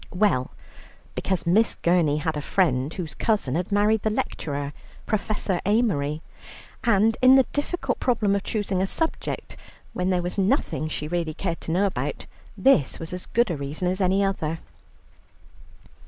Well, because Miss Gurney had a friend whose cousin had married the lecturer, Professor Amery, and in the difficult problem of choosing a subject, when there was nothing she really cared to know about, this was as good a reason as any other.